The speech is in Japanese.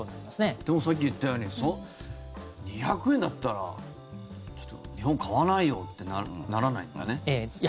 でも、さっき言ったように２００円だったらちょっと日本買わないよってならないんだね。